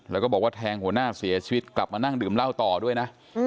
แล้วก็บอกว่าแทงหัวหน้าเสียชีวิตกลับมานั่งดื่มเหล้าต่อด้วยนะ